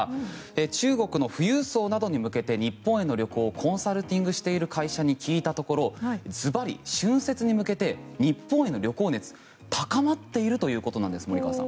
中国の富裕層などに向けて日本への旅行をコンサルティングしている会社に聞いたところずばり、春節に向けて日本への旅行熱高まっているということなんです森川さん。